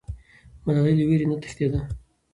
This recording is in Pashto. ملالۍ له ویرې نه تښتېده.